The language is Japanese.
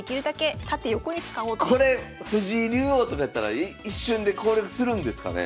これ藤井竜王とかやったら一瞬で攻略するんですかね？